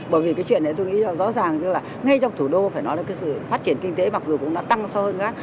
bởi vì cái chuyện này tôi nghĩ rõ ràng là ngay trong thủ đô phải nói là cái sự phát triển kinh tế mặc dù cũng đã tăng so hơn khác